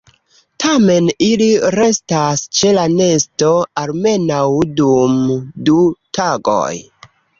Tamen ili restas ĉe la nesto almenaŭ dum du tagoj.